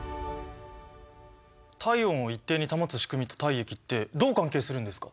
体温を一定に保つしくみと体液ってどう関係するんですか？